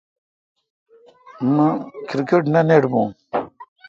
مہ کرکٹ نہ نٹ بون۔